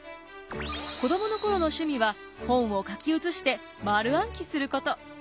子どもの頃の趣味は本を書き写して丸暗記すること。